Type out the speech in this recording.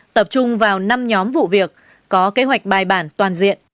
tập trung vào năm nhóm vụ việc có kế hoạch bài bản toàn diện